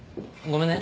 ごめんね。